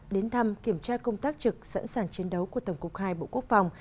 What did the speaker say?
đến thăm kiểm tra công tác trực sẵn sàng chiến đấu của tổng cục hai bộ quốc phòng